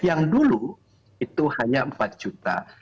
yang dulu itu hanya empat juta